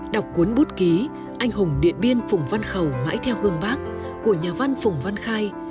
đọc cuốn bút ký anh hùng điện biên phùng văn khẩu mãi theo gương bác của nhà văn phùng văn khai